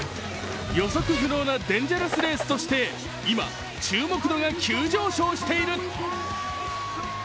予測不能なデンジャラスレースとして今、注目度が急上昇している。